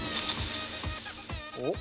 おっ？